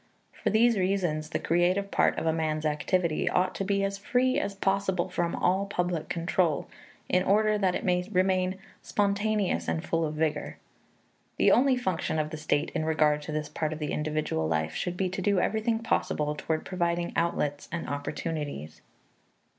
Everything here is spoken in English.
For these reasons, the creative part of a man's activity ought to be as free as possible from all public control, in order that it may remain spontaneous and full of vigor. The only function of the state in regard to this part of the individual life should be to do everything possible toward providing outlets and opportunities.